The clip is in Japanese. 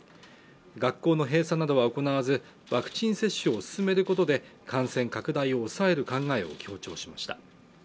学校の閉鎖などは行わずワクチン接種を進めることで感染拡大を抑える考えを強調しました